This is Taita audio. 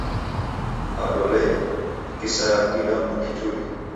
Ado lee, ni kisaya kuida mndu kituri?